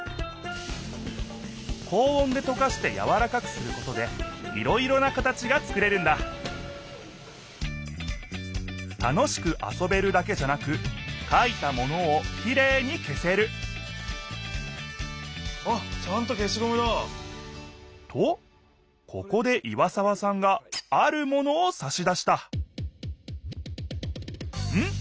高温でとかしてやわらかくすることでいろいろな形が作れるんだ楽しくあそべるだけじゃなくかいたものをきれいに消せるあっちゃんと消しゴムだ！とここで岩沢さんがあるものをさし出したんっ？